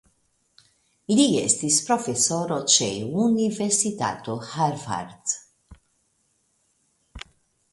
Li estis profesoro ĉe Universitato Harvard.